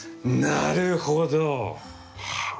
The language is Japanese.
なるほど！